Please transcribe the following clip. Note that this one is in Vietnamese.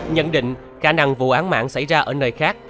nhận định khả năng vụ án mạng xảy ra ở nơi khác